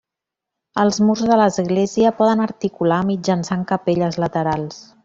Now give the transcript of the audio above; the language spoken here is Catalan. Els murs de l'església poden articular mitjançant capelles laterals.